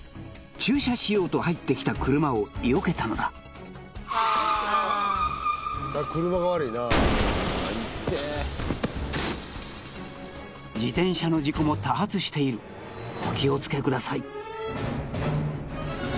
駐車しようと入ってきた車をよけたのだ自転車の事故も多発しているお気をつけください